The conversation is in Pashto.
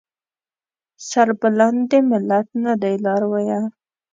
سربلند دې ملت نه دی لارويه